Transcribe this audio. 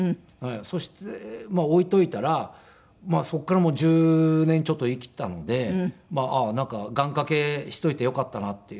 そして置いておいたらそこから１０年ちょっと生きたのでなんか願掛けしておいてよかったなっていう。